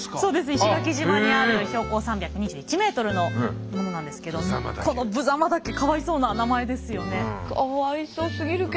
石垣島にある標高３２１メートルのものなんですけどこのぶざま岳かわいそうな名前ですよね。